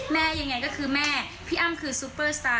ยังไงก็คือแม่พี่อ้ำคือซุปเปอร์สตาร์